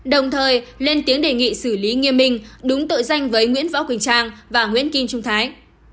đồng thời lên tiếng đề nghị xử lý nghiêm minh đúng tội danh với nguyễn võ quỳnh trang và nguyễn kim trung thái